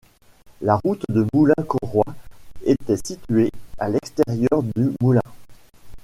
La roue du moulin Conroy était située à l'extérieur du moulin.